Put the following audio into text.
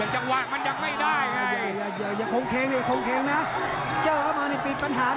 เหลือกะวามันยังไม่ได้